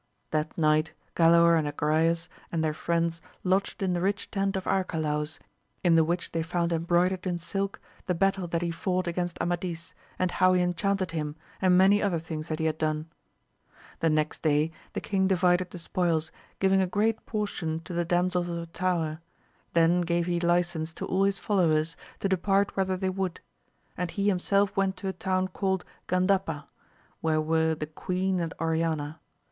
That night Galaor and Agrayes and their friends lodged in the rich tent of Arcalaus, in the which they found em broidered in silk the battle that he fought against Amadis, and how he enchanted him, and many other things that he had done. The next day the king divided the spoils, giving a great portion to the dam sels of the tower; then gave he licence to all his followers to depart whether they would, and he 220 AMADIS OF GAUL. himself went to a town called Gandapa, where were the queen and Oriana.